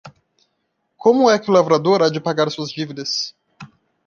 Como é que o lavrador há de pagar as suas dívidas?